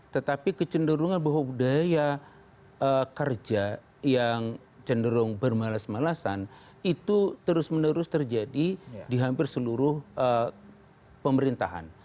tetapi kecenderungan bahwa budaya kerja yang cenderung bermalas malasan itu terus menerus terjadi di hampir seluruh pemerintahan